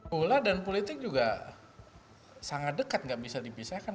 bola dan politik juga sangat dekat nggak bisa dipisahkan